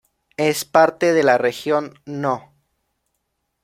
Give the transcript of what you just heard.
Es parte de la región No.